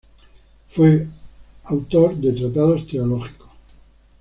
Fue y autor de tratados teológicos.